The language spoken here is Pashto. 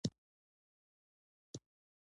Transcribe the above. هغه وویل چې دا د بورجیا مشهور مروارید دی.